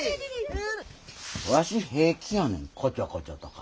わし平気やねんこちょこちょとか。